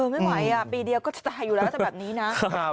ไม่ไหวปีเดียวก็จะตายอยู่แล้วถ้าแบบนี้นะ